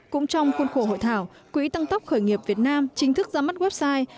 cũng trong khuôn khổ hội thảo quỹ tăng tốc khởi nghiệp việt nam chính thức ra mắt website